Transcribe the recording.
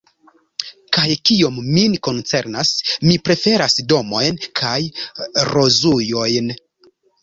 Kaj kiom min koncernas, mi preferas domojn kaj rozujojn.